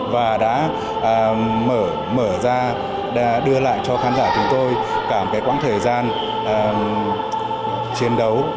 và đã mở ra đưa lại cho khán giả chúng tôi cả một quãng thời gian chiến đấu